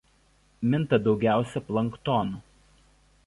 Minta daugiausia planktonu.